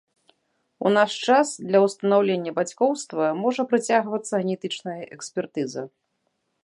У наш час для ўстанаўлення бацькоўства можа прыцягвацца генетычная экспертыза.